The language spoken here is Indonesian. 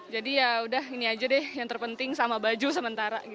jadi yaudah ini aja deh yang terpenting sama baju sementara